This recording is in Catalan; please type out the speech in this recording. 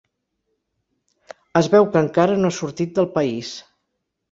Es veu que encara no ha sortit del país.